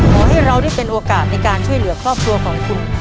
ขอให้เราได้เป็นโอกาสในการช่วยเหลือครอบครัวของคุณ